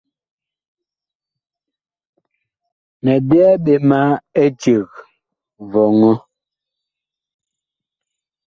Mi byɛɛ ɓe ma eceg vɔŋɔ.